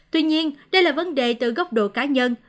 tuy nhiên đây là vấn đề từ góc độ cá nhân